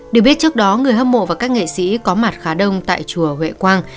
được biết trước đó người hâm mộ và các nghệ sĩ có mặt khá đông tại chùa huệ quang